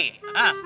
bini aneh mati